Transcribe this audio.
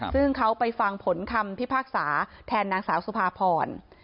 ซึ่งเขาไปฟังผลคำพิพากษาแทนนางสาวสุภาพร